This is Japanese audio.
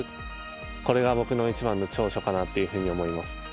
これが僕の一番の長所かなというふうに思います。